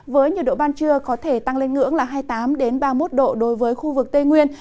với nhiệt độ ban trưa có thể tăng lên ngưỡng là hai mươi tám ba mươi một độ đối với khu vực tây nguyên